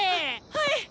はい！